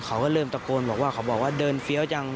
เขาก็เริ่มตะโกนบอกว่าเขาบอกว่าเดินเฟี้ยวจัง